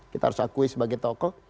kita harus akui sebagai tokoh